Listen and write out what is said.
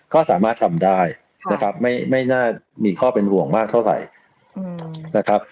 ก็สามารถทำได้นะครับไม่น่ามีข้อเป็นห่วงมากเท่าไหร่นะครับ